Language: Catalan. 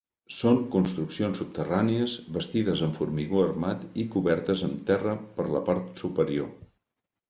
Són construccions subterrànies, bastides amb formigó armat i cobertes amb terra per la part superior.